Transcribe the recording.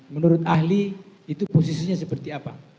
menurut ahli itu posisinya seperti apa